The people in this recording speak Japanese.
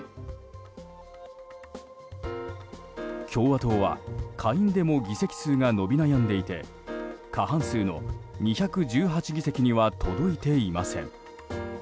共和党は下院でも議席数が伸び悩んでいて過半数の２１８議席にも届いていません。